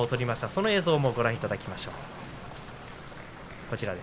その映像をご覧いただきましょう。